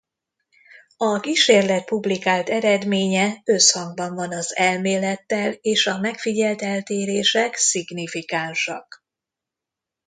A kísérlet publikált eredménye összhangban van az elmélettel és a megfigyelt eltérések szignifikánsak.